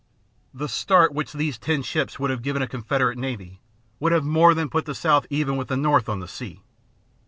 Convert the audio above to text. The start which these ten ships would have given a Confederate navy would have more than put the South even with the North on the sea.